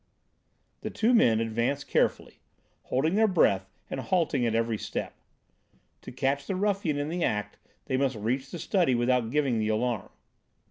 The two men advanced carefully, holding their breath and halting at every step. To catch the ruffian in the act they must reach the study without giving the alarm.